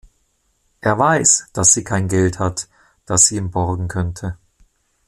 Er weiß, dass sie kein Geld hat, das sie ihm borgen könnte.